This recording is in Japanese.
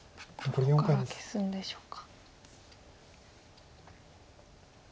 どこから消すんでしょうか。